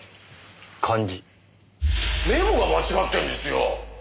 メモが間違ってんですよ！